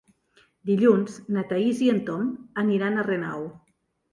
Dilluns na Thaís i en Tom aniran a Renau.